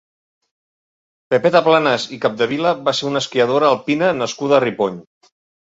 Pepeta Planas i Capdevila va ser una esquiadora alpina nascuda a Ripoll.